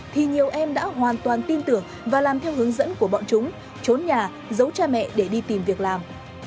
thì nhiều em đã hoàn toàn tin tưởng và làm theo hướng dẫn của bọn chúng trốn nhà giấu cha mẹ để đi tìm việc làm